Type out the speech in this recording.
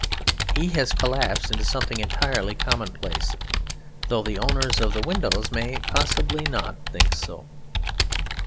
He has collapsed into something entirely commonplace; though the owners of the windows may possibly not think so.